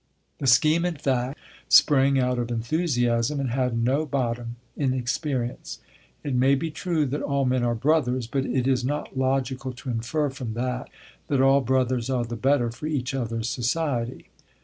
The scheme, in fact, sprang out of enthusiasm and had no bottom in experience. It may be true that all men are brothers, but it is not logical to infer from that that all brothers are the better for each other's society.